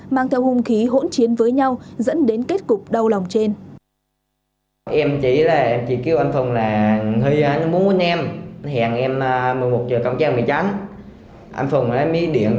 mang theo hung khí hỗn chiến với nhau dẫn đến kết cục đau lòng trên